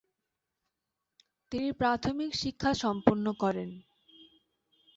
তিনি প্রাথমিক শিক্ষা সম্পন্ন করেন।